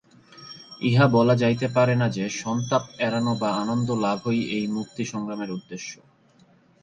ইহা বলা যাইতে পারে না যে, সন্তাপ এড়ান বা আনন্দলাভই এই মুক্তি-সংগ্রামের উদ্দেশ্য।